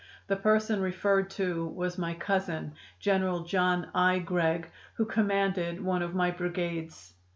The person referred to was my cousin, General John I. Gregg, who commanded one of my brigades.